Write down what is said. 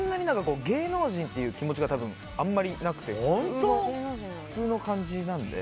芸能人っていう気持ちがあんまりなくて普通の感じなので。